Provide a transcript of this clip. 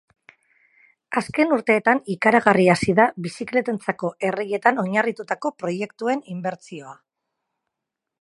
Azken urteetan ikaragarri hasi da bizikletentzako erreietan oinarritutako proiektuen inbertsioa.